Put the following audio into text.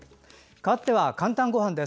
かわっては「かんたんごはん」。